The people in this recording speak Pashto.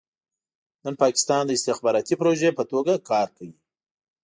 نن پاکستان د استخباراتي پروژې په توګه کار کوي.